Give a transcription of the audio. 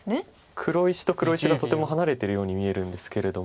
黒石と黒石がとても離れてるように見えるんですけれども。